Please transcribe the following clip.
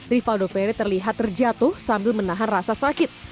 rivaldo ferry terlihat terjatuh sambil menahan rasa sakit